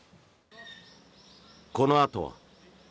このあとは。